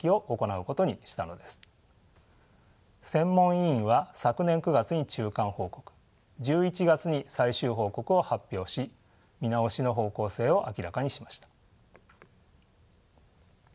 専門委員は昨年９月に中間報告１１月に最終報告を発表し見直しの方向性を明らかにしました。